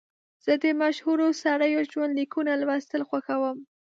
زه د مشهورو سړیو ژوند لیکونه لوستل خوښوم.